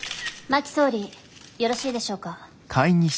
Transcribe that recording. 真木総理よろしいでしょうか。